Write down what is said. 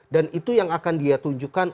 dan itu yang akan dia tunjukkan